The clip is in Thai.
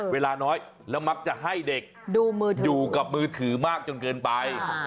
เวลาน้อยแล้วมักจะให้เด็กดูมือถืออยู่กับมือถือมากจนเกินไป